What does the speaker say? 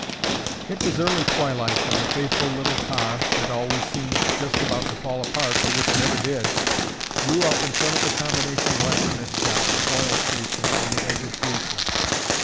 It was early twilight when the faithful little car (that always seemed just about to fall apart but which never did) drew up in front of the combination blacksmith shop oil station on the edge of Gleeson.